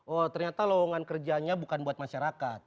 oh ternyata lowongan kerjanya bukan buat masyarakat